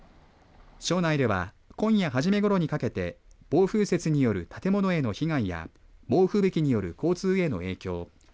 庄内では今夜はじめごろにかけて暴風雪による建物への被害や猛吹雪による交通への影響